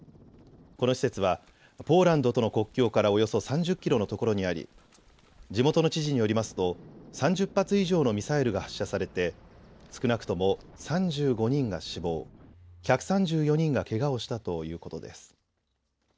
この施設はポーランドとの国境からおよそ３０キロのところにあり地元の知事によりますと３０発以上のミサイルが発射されて少なくとも３５人が死亡、１３４人がけがをしたということです。